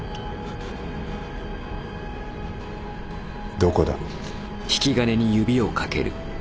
どこだ？